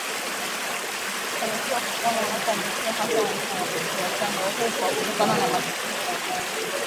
hufanikiwa kupona wanapoambukizwa Hata hivyo wanyama wachache wachanga hufa kutokana na matatizo ya moyo